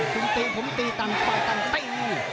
คุณตีผมตีตั้งควายตั้งตี